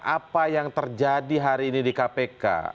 apa yang terjadi hari ini di kpk